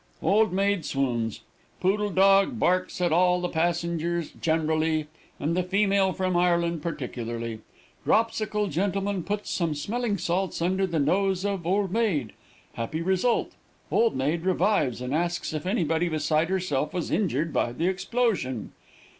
Old maid swoons. Poodle dog barks at all the passengers generally, and the female from Ireland particularly. Dropsical gentleman puts some smelling salts under the nose of old maid. Happy result. Old maid revives, and asks if anybody beside herself was injured by the explosion.